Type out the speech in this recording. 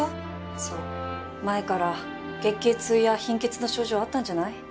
そう前から月経痛や貧血の症状あったんじゃない？